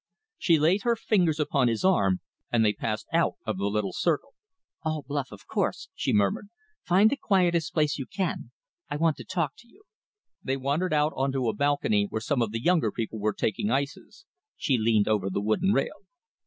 She laid her fingers upon his arm, and they passed out of the little circle. "All bluff, of course," she murmured. "Find the quietest place you can. I want to talk to you." They wandered out on to a balcony where some of the younger people were taking ices. She leaned over the wooden rail.